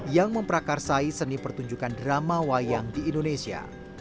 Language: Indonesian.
yang memprakarsai seni pertunjukan drama wayang di indonesia